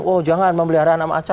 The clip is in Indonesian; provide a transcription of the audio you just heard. oh jangan memelihara anak macan